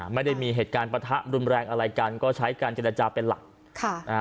ไม่ได้มีเหตุการณ์ประทะรุนแรงอะไรกันก็ใช้การเจรจาเป็นหลักค่ะนะฮะ